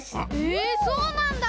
えそうなんだ。